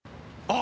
あ！